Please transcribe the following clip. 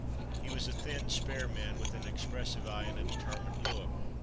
He was a thin, spare man, with an expressive eye and a determined look.